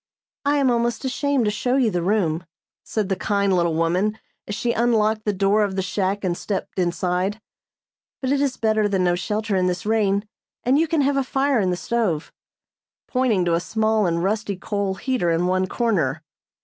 "I am almost ashamed to show you the room," said the kind little woman, as she unlocked the door of the shack and stepped inside, "but it is better than no shelter in this rain, and you can have a fire in the stove," pointing to a small and rusty coal heater in one corner.